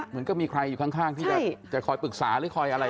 เหมือนก็มีใครอยู่ข้างที่จะคอยปรึกษาหรือคอยอะไร